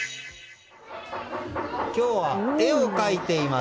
今日は、絵を描いています